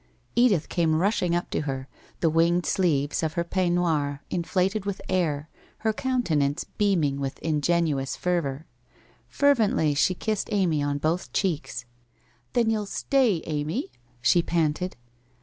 Edith came rushing up to her, the winged sleeves of her pei gnoir inflated with air, her countenance beaming with ingenuous fervour. Fervently she kissed Amy on both checks. ' Then you'll stay, Amy ?' she panted.